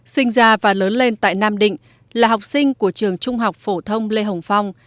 sinh ra và lớn lên tại nam định là học sinh của trường trung học phổ thông lê hồng phong